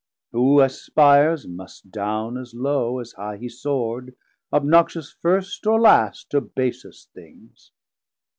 who aspires must down as low As high he soard, obnoxious first or last 170 To basest things.